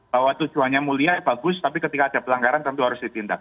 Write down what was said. bahwa tujuannya mulia bagus tapi ketika ada pelanggaran tentu harus ditindak